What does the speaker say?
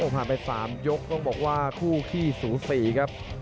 ผ่านไป๓ยกต้องบอกว่าคู่ขี้สูสีครับ